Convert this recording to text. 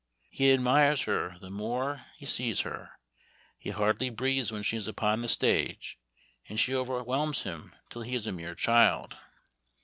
He admires her the more the more he sees her ; he hardly breathes when she is upon the stage, and she overwhelms him till he is a mere child.